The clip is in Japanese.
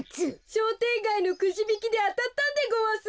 しょうてんがいのくじびきであたったんでごわす。